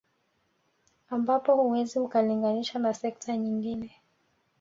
Ampapo huwezi ukalinganisha na sekta nyingine